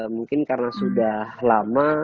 mungkin karena sudah lama